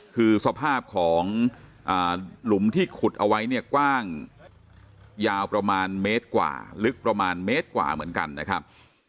คือสภาพของหลุมที่ขุดเอาไว้เนี่ยกว้างยาวประมาณเมตรกว่าลึกประมาณเมตรกว่าเหมือนกันนะครับ